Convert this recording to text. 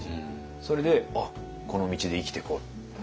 それで「あっこの道で生きてこう」って。